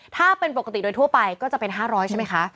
ถ้าเป็นปกติโดยทั่วไปก็จะเป็น๕๐๐ใช่ไหมคะ